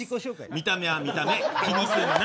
見た目は見た目、気にすんな。